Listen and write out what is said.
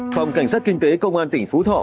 phòng cảnh sát kinh tế công an tỉnh phú thọ